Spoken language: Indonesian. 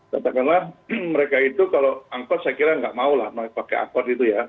katakanlah mereka itu kalau angkot saya kira nggak mau lah pakai angkot itu ya